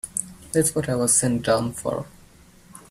That's what I was sent down for.